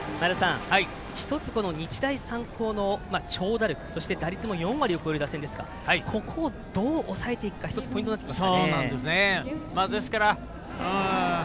１つ、日大三高の長打力そして、打率も４割超える打線ですがここをどう抑えていくか１つポイントになってきますかね。